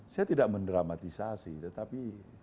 saya tidak mendramatisasi tetapi